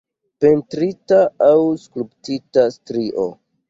Pentrita aŭ skulptita strio.